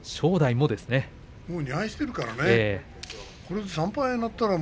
もう２敗してるからね。